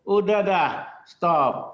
udah dah stop